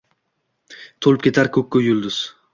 To’lib ketar ko’kka yulduz…